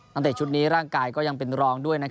เตะชุดนี้ร่างกายก็ยังเป็นรองด้วย